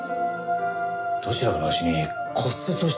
どちらかの足に骨折をした痕は？